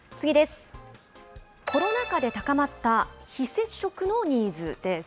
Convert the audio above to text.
コロナ禍で高まった非接触のニーズです。